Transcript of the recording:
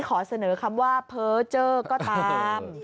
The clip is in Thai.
ขอเสนอคำว่าเพ้อเจอร์ก็ตาม